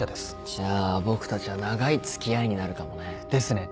じゃあ僕たちは長い付き合いになるかもね。ですね。